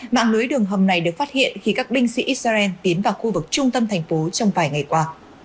mạng lưới đường hầm này được phát hiện khi các binh sĩ israel tiến vào khu vực trung tâm thành phố trong vài ngày qua